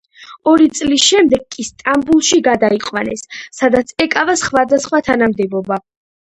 ორი წლის შემდეგ კი სტამბოლში გადაიყვანეს, სადაც ეკავა სხვადასხვა თანამდებობა.